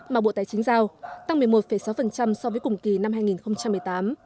mà bộ tài chính giao tăng một mươi một sáu so với cùng kỳ năm hai nghìn một mươi tám